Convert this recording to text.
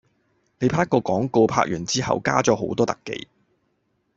你拍一個廣告拍完之後加咗好多特技